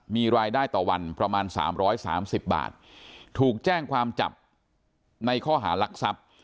มีรายได้ต่อวันประมาณสามร้อยสามสิบบาทถูกแจ้งความจับในข้อหารักษัพ